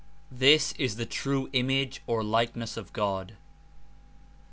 This is the true image or likeness of God.